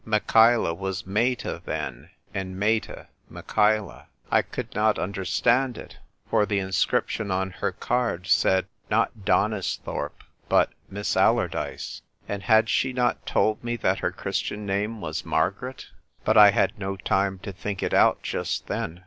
Michaela was Meta, then, and Meta Michaela. I could not understand it, for the inscription on her card said, not Donisthorpe, but " Miss Allardyce"; and had she not told me that her Christian name was Margaret ? But I had no time to think it out just then.